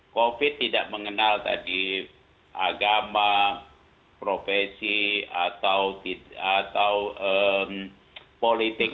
covid tidak mengenal tadi agama profesi atau politik